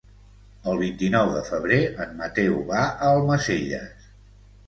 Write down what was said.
El vint-i-nou de febrer en Mateu va a Almacelles.